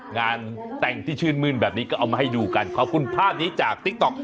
งานแต่งที่ชื่นมื้นแบบนี้ก็เอามาให้ดูกันขอบคุณภาพนี้จากติ๊กต๊อก